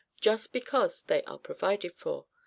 Just because they are provided for.